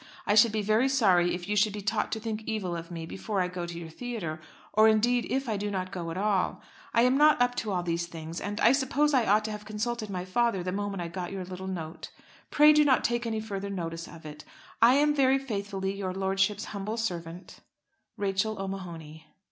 I should be very sorry if you should be taught to think evil of me before I go to your theatre; or indeed, if I do not go at all. I am not up to all these things, and I suppose I ought to have consulted my father the moment I got your little note. Pray do not take any further notice of it. I am, very faithfully, Your lordship's humble servant, RACHEL O'MAHONY.